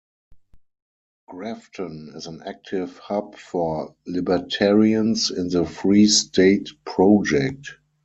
Grafton is an active hub for libertarians in the Free State Project.